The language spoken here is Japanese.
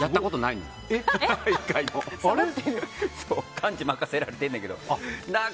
幹事を任せられてるんだけど。